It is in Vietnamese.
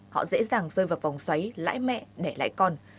họ dễ dàng rơi vào vòng xoáy lãi mẹ đẻ lãi con